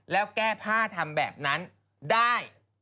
แล้วแก้ผ้าทำแบบนั้นได้